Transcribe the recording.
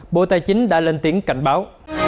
bộ tài chính đã lên tiếng cảnh báo